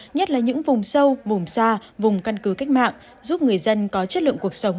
nhất là những vùng sâu vùng xa vùng căn cứ cách mạng giúp người dân có chất lượng cuộc sống